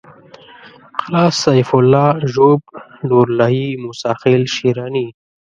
قلعه سيف الله ژوب لورلايي موسی خېل شېراني